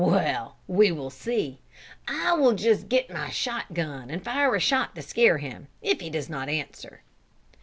Well, we will see. I will just get my shot gun and fire a shot to scare him, if he does not answer."